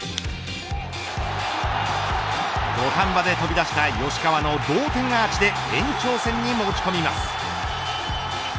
土壇場で飛び出した吉川の同点アーチで延長戦に持ち込みます。